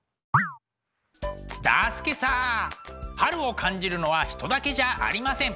だすけさあ春を感じるのは人だけじゃありません。